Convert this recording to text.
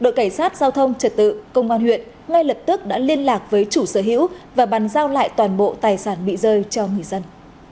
các giao thông trật tự công an huyện ngay lập tức đã liên lạc với chủ sở hữu và bắn giao lại toàn bộ tài sản bị rơi cho người dân